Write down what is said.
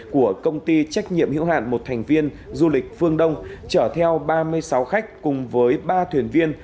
của công ty trách nhiệm hữu hạn một thành viên du lịch phương đông chở theo ba mươi sáu khách cùng với ba thuyền viên